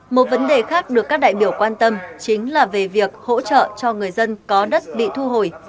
một vấn đề khác được các đại biểu quan tâm chính là về việc hỗ trợ cho người dân có đất bị thu hồi